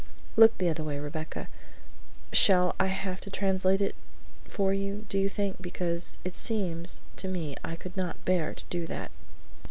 Look the other way, Rebecca. Shall I have to translate it for you, do you think, because it seems to me I could not bear to do that!"